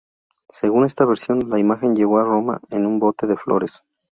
Según esta versión, la imagen llegó a Roma en un bote de flores.